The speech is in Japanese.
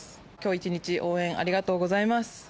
今日１日応援ありがとうございます。